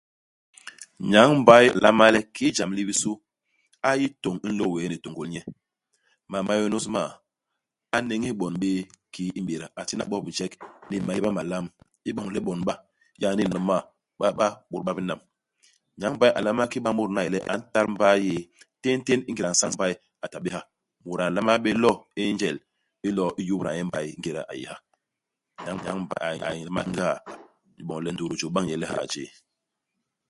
Nyañ-mbay a nlama le kiki jam li bisu, a yi tôñ nlô-wéé ni tôngôl nye. Mam ma n'yônôs m'ma, a n'néñés bon béé kiki i m'béda. A tinak bo bijek ni maéba malam, iboñ le ibon ba, yaani ni nomaa, ba ba bôt ba binam. Nyañ-mbay a nlama ki ba mut nu a yé le a ntat mbay yéé. Téntén ingéda nsañ-mbay a ta bé ha. Mut a nlama bé lo i njel ilo iyubda nye mbay ingéda a yé ha. Nyañ-mbay a nlama ha ngaa inyu boñ le ndutu i jôp bañ nye i lihaa jéé.